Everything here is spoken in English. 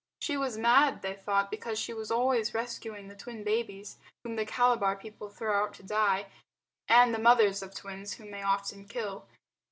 She was mad, they thought, because she was always rescuing the twin babies whom the Calabar people throw out to die and the mothers of twins whom they often kill.